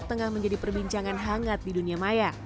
tengah menjadi perbincangan hangat di dunia maya